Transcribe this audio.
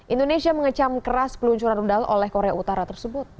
indonesia mengecam keras peluncuran rudal oleh korea utara tersebut